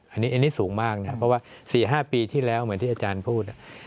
อันนี้สูงมากนะเพราะว่า๔๕ปีที่แล้วเหมือนที่อาจารย์พูด